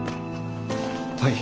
はい。